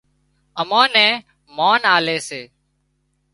امان نين مانَ آلي سي